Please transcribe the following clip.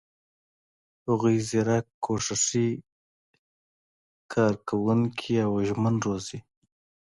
هغوی زیرک، کوښښي، کارکوونکي او ژمن روزي.